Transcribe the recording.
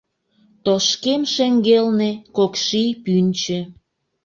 Тошкем шеҥгелне — кок ший пӱнчӧ.